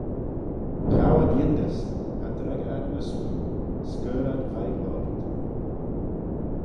"Ghow ad yindys; cha dreggyr ad ny smoo; scuirr ad veih loayrt."